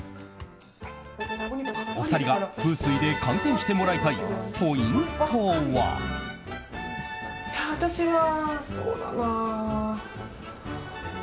お二人が風水で鑑定してもらいたいポイントは？